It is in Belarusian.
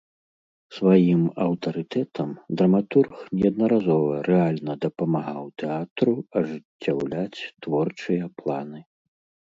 Сваім аўтарытэтам драматург неаднаразова рэальна дапамагаў тэатру ажыццяўляць творчыя планы.